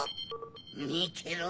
みてろ！